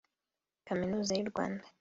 Kaminuza y’u Rwanda